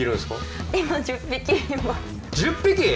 １０匹！？